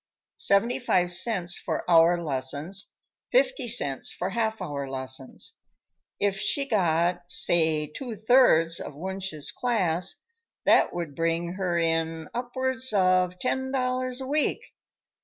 Seventy five cents for hour lessons, fifty cents for half hour lessons. If she got, say two thirds of Wunsch's class, that would bring her in upwards of ten dollars a week.